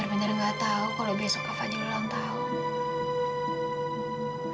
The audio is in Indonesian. aku bener bener ga tau kalo besok kak fadil ulang tahun